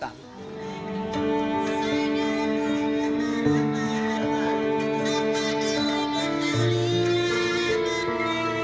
aku mau makan